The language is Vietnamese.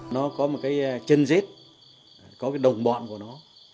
nó có một cái chân rết có cái đồng bọn của nó